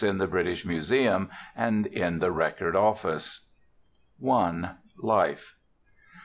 in the British Museum and in the Record Office. L Life.